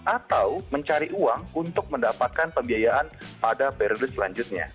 atau mencari uang untuk mendapatkan pembiayaan pada periode selanjutnya